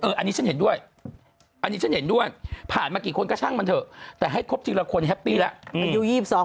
อันนี้ฉันเห็นด้วยอันนี้ฉันเห็นด้วยผ่านมากี่คนก็ช่างมันเถอะแต่ให้ครบทีละคนแฮปปี้แล้วอายุ๒๒